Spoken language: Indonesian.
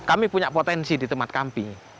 kami punya potensi di tempat kami